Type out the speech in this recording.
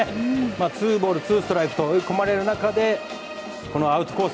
ツーボールツーストライクと追い込まれる中でアウトコース